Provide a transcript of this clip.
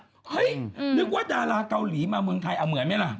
เฮ้ยนึกว่าดาราเกาหลีมาเมืองไทยเอาเหมือนไหมล่ะ